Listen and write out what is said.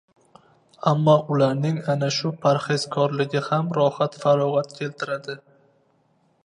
Ammo ularning ana shu parhezkorligi ham rohat-farog‘at keltiradi.